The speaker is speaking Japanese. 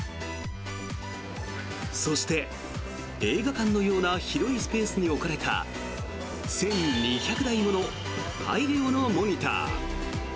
そして、映画館のような広いスペースに置かれた１２００台もの大量のモニター。